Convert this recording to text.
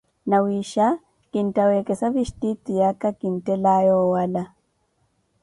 Nawiixa kintta wekesa vistiitu yaka kinttelaye owala.